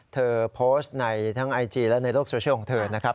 เธอโพสต์ในทั้งไอจีและในโลกโซเชียลของเธอนะครับ